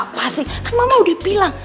apa sih kan mama udah bilang